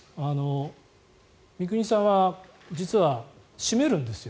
三國さんは実は閉めるんですよ